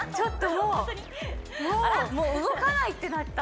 もう動かないってなった！